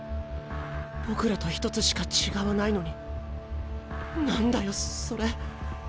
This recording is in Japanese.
僕らと１つしか違わないのに何だよそれ。